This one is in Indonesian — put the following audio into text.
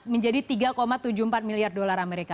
menjadi tiga tujuh puluh empat miliar dolar amerika